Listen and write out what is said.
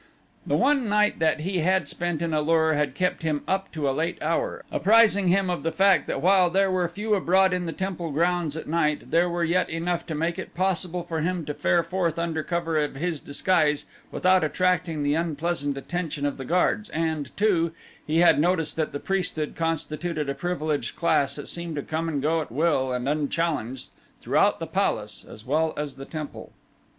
The one night that he had spent in A lur had kept him up to a late hour, apprising him of the fact that while there were few abroad in the temple grounds at night, there were yet enough to make it possible for him to fare forth under cover of his disguise without attracting the unpleasant attention of the guards, and, too, he had noticed that the priesthood constituted a privileged class that seemed to come and go at will and unchallenged throughout the palace as well as the temple.